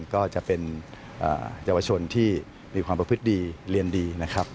ก็จะเป็นเยาวชนที่มีความประพฤติดีเรียนดีนะครับ